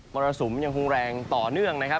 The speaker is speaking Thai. รสุมยังคงแรงต่อเนื่องนะครับ